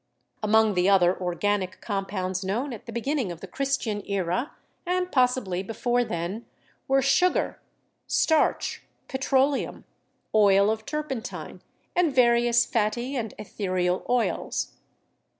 Among the other organic compounds known at the beginning of the Christian era and possibly before then, were sugar, starch, petroleum, oil of turpentine, and various fatty and ethereal oils.